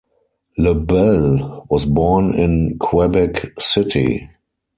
LeBel was born in Quebec City.